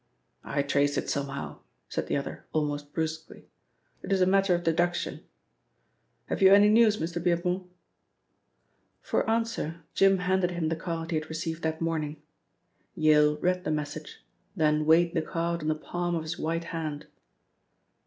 "I traced it somehow," said the other almost brusquely; "it is a matter of deduction. Have you any news, Mr. Beardmore?" For answer Jim handed him the card he had received that morning. Yale read the message, then weighed the card on the palm of his white hand.